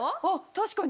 確かに。